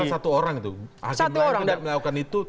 padahal satu orang itu